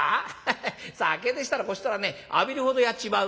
ヘヘッ酒でしたらこちとらね浴びるほどやっちまう」。